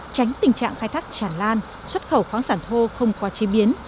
tránh tình trạng khai thác chản lan xuất khẩu khoáng sản thô không qua chế biến